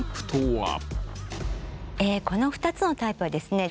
この２つのタイプはですね